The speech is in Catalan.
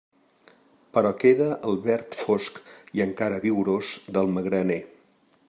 Però queda el verd fosc i encara vigorós del magraner.